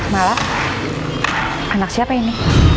mala anak siapa ini